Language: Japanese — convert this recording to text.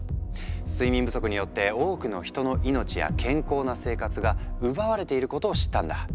睡眠不足によって多くの人の命や健康な生活が奪われていることを知ったんだ。